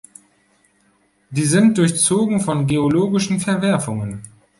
Die sind durchzogen von geologischen Verwerfungen.